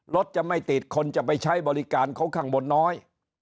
รถจะไม่ติดคนจะไปใช้บริการเขาข้างบนน้อย